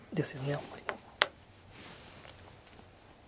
あんまり。